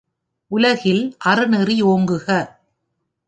உலகில் அறநெறி ஓங்குக!